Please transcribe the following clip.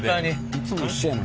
いつも一緒やな。